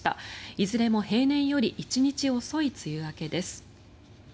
いずれも平年より１日遅い梅雨明けです。